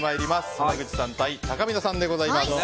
濱口さん対たかみなさんでございます。